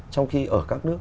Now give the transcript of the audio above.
trong khi ở các nước